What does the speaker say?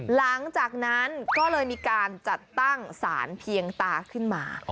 หลังจากนั้นก็เลยมีการจัดตั้งสารเพียงตาขึ้นมา